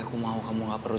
ya memang kena sangat penting